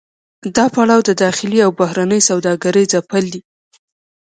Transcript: دا پړاو د داخلي او بهرنۍ سوداګرۍ ځپل دي